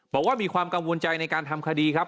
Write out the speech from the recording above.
บอกว่ามีความกังวลใจในการทำคดีครับ